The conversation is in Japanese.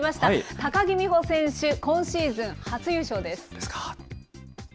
高木美帆選手、今シーズン初優勝です。